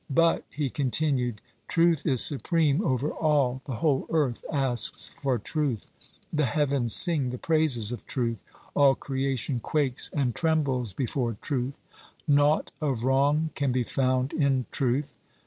"But," he continued, "truth is supreme over all; the whole earth asks for truth, the heavens sing the praises of truth, all creation quakes and trembles before truth, naught of wrong can be found in truth.